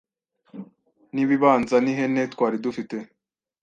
n’ibibanza n’ihene twari dufite